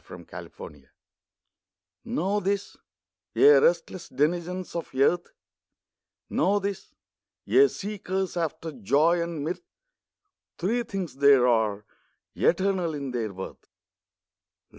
THREE THINGS Know this, ye restless denizens of earth, Know this, ye seekers after joy and mirth, Three things there are, eternal in their worth.